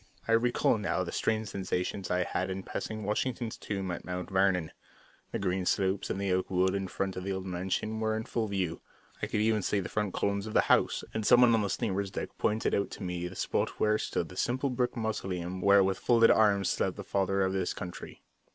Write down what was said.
I recall now the strange sensations I had in passing Washington's tomb at Mount Vernon. The green slopes and the oak wood in front of the old mansion were in full view. I could even see the front columns of the house, and someone on the steamer's deck pointed out to me the spot where stood the simple brick mausoleum where with folded arms slept the Father of his Country.